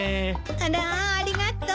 あらありがとう。